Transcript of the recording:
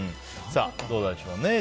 どうなんでしょうね。